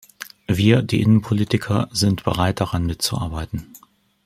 Wir, die Innenpolitiker, sind bereit, daran mitzuarbeiten.